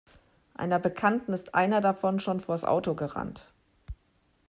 Einer Bekannten ist einer davon schon vors Auto gerannt.